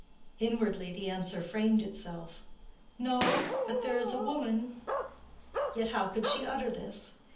Inwardly the answer framed itself. "No; but there is a woman." Yet how could she utter this?